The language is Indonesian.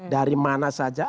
dari mana saja